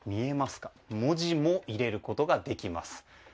文字も入れることができます。